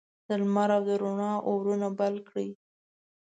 د لمر او د روڼا اورونه بل کړي